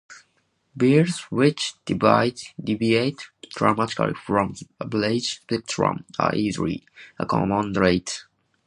Beers which deviate dramatically from the "average" spectrum are easily accommodated.